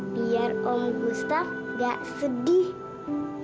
biar om gustaf gak sedih